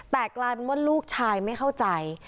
แต่กลายเป็นว่าลูกชายไม่เข้าใจ